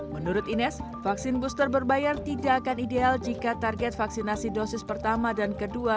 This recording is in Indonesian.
menurut ines vaksin booster berbayar tidak akan ideal jika target vaksinasi dosis pertama dan kedua